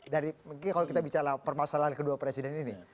dari mungkin kalau kita bicara permasalahan kedua presiden ini